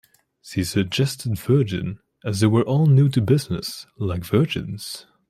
She suggested Virgin - as they were all new to business - like "virgins".